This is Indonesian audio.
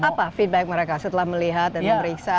apa feedback mereka setelah melihat dan memeriksa